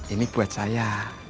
ini buat saya